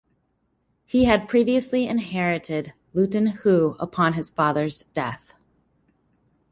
He had previously inherited Luton Hoo upon his father's death.